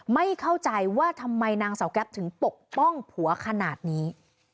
ไม่เข้าใจว่าทำไมนางเสาแก๊ปถึงปกป้องผัวขนาดนี้